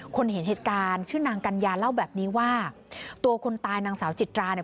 คนเห็นเหตุการณ์ชื่อนางกัญญาเล่าแบบนี้ว่าตัวคนตายนางสาวจิตราเนี่ย